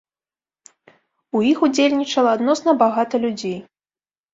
У іх удзельнічала адносна багата людзей.